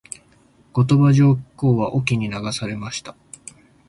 後鳥羽上皇は隠岐に流されました。